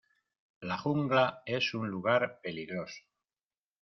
La jungla es un lugar peligroso.